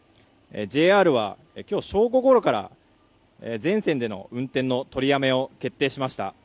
ＪＲは、今日正午ごろから全線での運転の取りやめを決定しました。